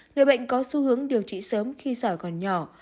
người bệnh có xu hướng điều trị sớm khi sỏi còn nhỏ